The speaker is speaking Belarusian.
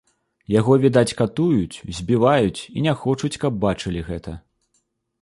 Яго, відаць, катуюць, збіваюць і не хочуць, каб бачылі гэта.